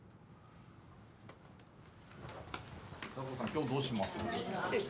今日どうします？